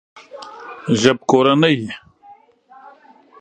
ژبکورنۍ